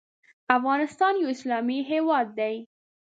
افغانستان یو اسلامی هیواد دی .